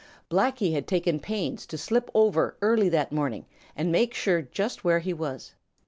Blacky had taken pains to slip over early that morning and make sure just where he was.